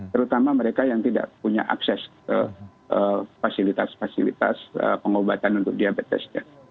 terutama mereka yang tidak punya akses ke fasilitas fasilitas pengobatan untuk diabetesnya